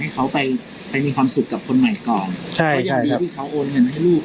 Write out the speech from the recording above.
ให้เขาไปไปมีความสุขกับคนใหม่ก่อนใช่แต่อย่างดีที่เขาโอนเงินให้ลูก